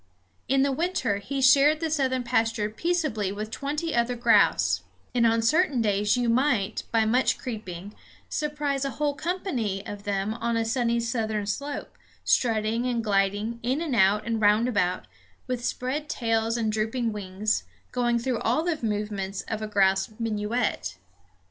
In the winter he shared the southern pasture peaceably with twenty other grouse; and on certain days you might, by much creeping, surprise a whole company of them on a sunny southern slope, strutting and gliding, in and out and round about, with spread tails and drooping wings, going through all the movements of a grouse minuet.